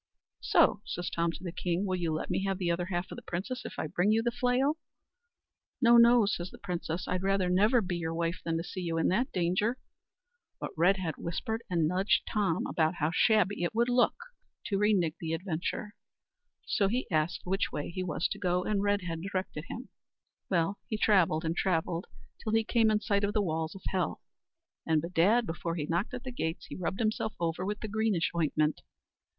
"So," says Tom to the king, "will you let me have the other half of the princess if I bring you the flail?" "No, no," says the princess; "I'd rather never be your wife than see you in that danger." But Redhead whispered and nudged Tom about how shabby it would look to reneague the adventure. So he asked which way he was to go, and Redhead directed him. Well, he travelled and travelled, till he came in sight of the walls of hell; and, bedad, before he knocked at the gates, he rubbed himself over with the greenish ointment.